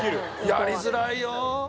やりづらいよ？